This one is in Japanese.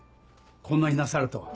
こんなになさるとは。